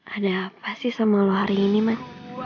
ada apa sih sama lo hari ini man